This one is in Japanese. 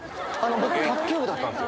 僕、卓球部だったんすよ。